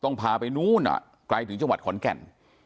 ต้องพาไปนู้นอ่ะไกลถึงจังหวัดขนแก่น